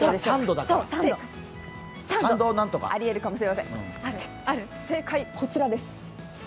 ありえるかもしれません正解、こちらです。